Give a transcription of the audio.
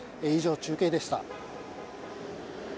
以上、中継でした。